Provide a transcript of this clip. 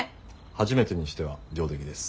初めてにしては上出来です。